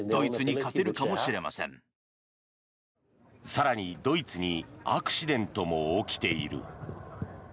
更に、ドイツにアクシデントも起きている。